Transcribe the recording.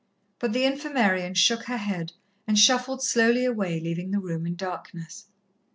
But the Infirmarian shook her head and shuffled slowly away, leaving the room in darkness.